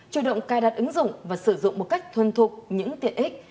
chủ động cài đặt ứng dụng và sử dụng một cách thuân thuộc những tiện ích